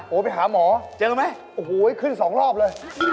โอ้โหไปหาหมอเจอไหมโอ้โหขึ้นสองรอบเลย